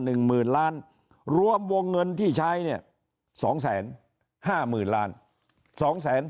หนึ่งหมื่นล้านรวมวงเงินที่ใช้เนี่ยสองแสนห้าหมื่นล้านสองแสน